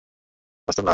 এই আলোটা বাস্তব না।